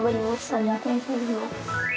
ありがとうございます。